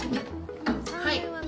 はい。